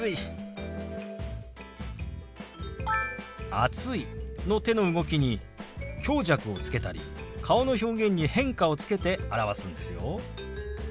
「暑い」の手の動きに強弱をつけたり顔の表現に変化をつけて表すんですよ。